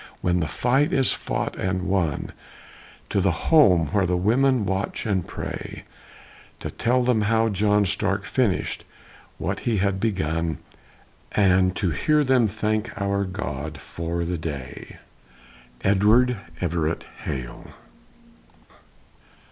When the fight is fought and won, To the home where the women watch and pray! To tell them how John Stark finished what he had begun, And to hear them thank our God for the day. EDWARD EVERETT HALE.